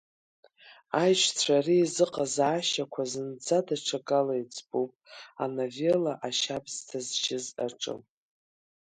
Аишьцәа реизыҟазаашьақәа зынӡа даҽакала иӡбоуп ановелла Ашьабсҭа зшьыз аҿы.